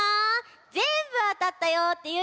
ぜんぶあたったよっていう